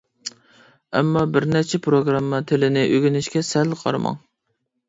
ئەمما، بىرنەچچە پىروگرامما تىلىنى ئۆگىنىشكە سەل قارىماڭ.